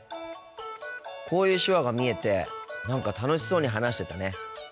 こういう手話が見えて何か楽しそうに話してたね。